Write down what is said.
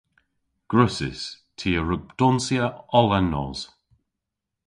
Gwrussys. Ty a wrug donsya oll an nos.